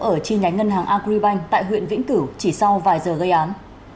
ở chi nhánh ngân hàng agribank tại huyện vĩnh cửu chỉ sau vài giờ gây án